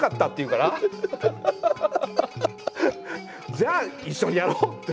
「じゃあ一緒にやろう」って。